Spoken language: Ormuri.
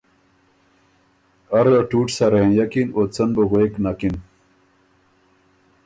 اره ټوټ سر هېںئکِن او څۀ ن بُو غوېک نکِن